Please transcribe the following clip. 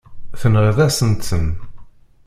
Tenɣiḍ-asen-ten.